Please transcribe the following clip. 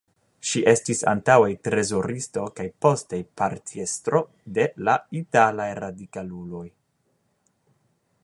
Ŝi estis antaŭe trezoristo kaj poste partiestro de la Italaj Radikaluloj.